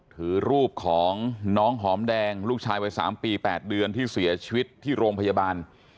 ถือรูปของน้องหอมแดงลูกชายวัย๓ปี๘เดือนที่เสียชีวิตที่โรงพยาบาล